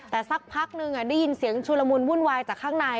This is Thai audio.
แต่สักพักนึงได้ยินเสียงชุลมุนวุ่นวายจากข้างใน